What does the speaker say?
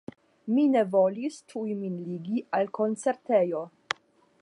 Mi ne volis tuj min ligi al koncertejo.